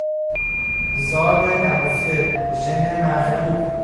زاد نهفته، ژن مغلوب